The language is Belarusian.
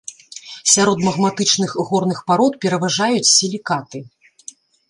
Сярод магматычных горных парод пераважаюць сілікаты.